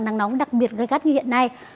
nắng nóng đặc biệt gây gắt như hiện nay